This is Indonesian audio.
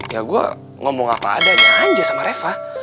ya gue ngomong apa adanya aja sama reva